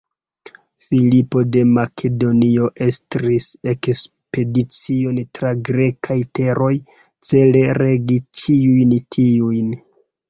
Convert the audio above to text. Filipo de Makedonio estris ekspedicion tra grekaj teroj, cele regi ĉiujn tiujn.